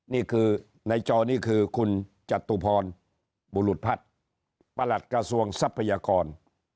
นี่คือในจอนี่คือคุณจตุพรบุรุษพัฒน์ประหลัดกระทรวงทรัพยากร